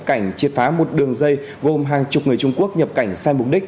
cảnh triệt phá một đường dây gồm hàng chục người trung quốc nhập cảnh sai mục đích